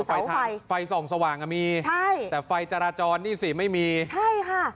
ไฟไทยไฟส่องสว่างอ่ะมีใช่แต่ไฟจราจรนี่สิไม่มีใช่ค่ะ